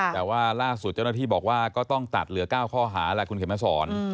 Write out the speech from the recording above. แต่ว่าล่าสุดเจ้าหน้าที่บอกว่าก็ต้องตัดเหลือ๙ข้อหาแหละคุณเข็มมาสอน